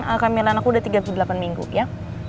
alka milan aku udah tiga puluh delapan minggu ya